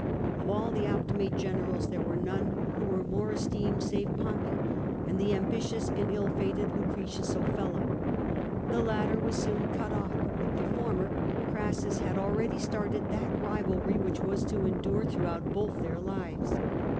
Of all the Optimate generals, there were none who were more esteemed, save Pompey and the ambitious and ill fated Lucretius Ofella. The latter was soon cut off, but with the former Crassus had already started that rivalry which was to endure throughout both their lives.